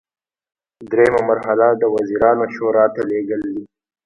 دریمه مرحله د وزیرانو شورا ته لیږل دي.